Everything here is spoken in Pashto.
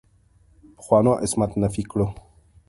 پخوانو عصمت نفي کړو.